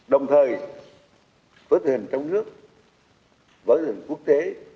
đồng thời với tình hình trong nước với tình hình quốc tế